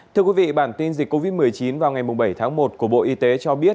thưa quý vị bản tin dịch covid một mươi chín vào ngày bảy tháng một của bộ y tế cho biết